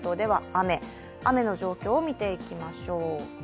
雨の状況を見ていきましょう。